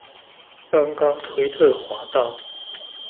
剛剛推特滑到